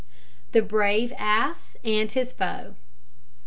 THE BRAVE ASS AND HIS FOE.